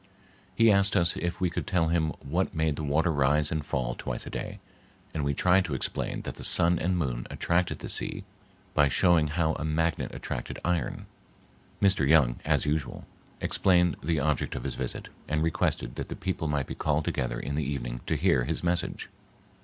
He asked us if we could tell him what made the water rise and fall twice a day, and we tried to explain that the sun and moon attracted the sea by showing how a magnet attracted iron. Mr. Young, as usual, explained the object of his visit and requested that the people might be called together in the evening to hear his message.